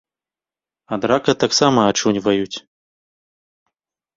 Ад рака таксама ачуньваюць.